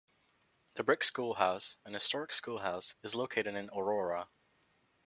The Brick School House, an historic schoolhouse, is located in Aurora.